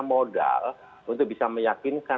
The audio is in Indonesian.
modal untuk bisa meyakinkan